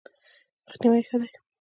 مخنیوی ښه دی.